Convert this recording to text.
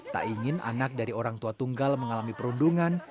tak ingin anak dari orang tua tunggal mengalami perundungan